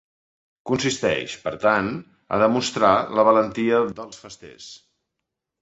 Consisteix, per tant, a demostrar la valentia dels festers.